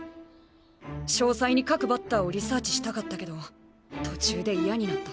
詳細に各バッターをリサーチしたかったけど途中で嫌になった。